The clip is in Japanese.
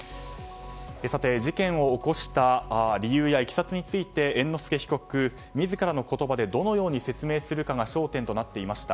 事件を起こした理由やいきさつについて猿之助被告自らの言葉でどのように説明するかが焦点となっていました